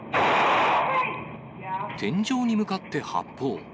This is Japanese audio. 天井に向かって発砲。